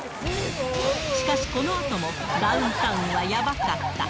しかし、このあともダウンタウンはやばかった。